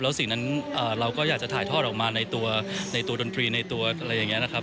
แล้วสิ่งนั้นเราก็อยากจะถ่ายทอดออกมาในตัวในตัวดนตรีในตัวอะไรอย่างนี้นะครับ